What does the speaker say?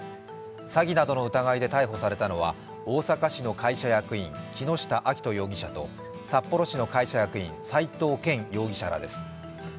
詐欺などの疑いで逮捕されたのは、大阪市の会社役員、木下彰人容疑者と札幌市の会社役員斎藤憲容疑者らです。